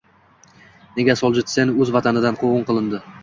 Nega Soljenitsin o‘z Vatanidan quvg‘in qilindi?